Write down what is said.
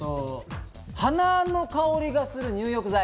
花の香りがする入浴剤。